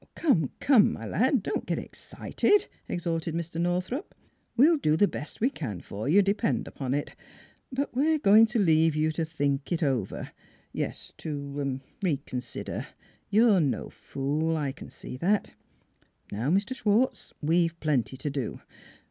" Come, come, my lad, don't get excited," ex horted Mr. Northrup. " We'll do the best we can for you, depend upon it. But we're going to leave you to think it over; yes, to er reconsider. You're no fool, I can see that. ... Now, Mr. Schwartz, we've plenty to do.